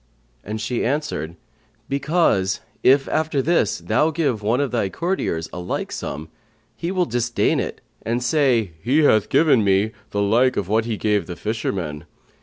and she answered, "Because if, after this, though give one of thy courtiers a like sum, he will disdain it and say, He hath but given me the like of what he gave the fisherman.'